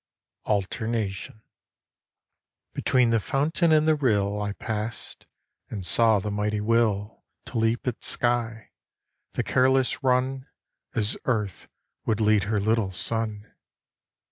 ALTERNATION BETWEEN the fountain and the rill I passed, and saw the mighty will To leap at sky; the careless run, As earth would lead her little son.